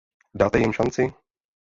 Dáte jim šanci?